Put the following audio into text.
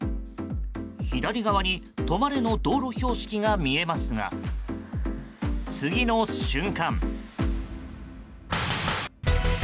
左側に止まれの道路標識が見えますが、次の瞬間。